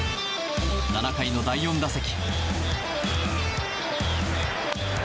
７回の第４打席。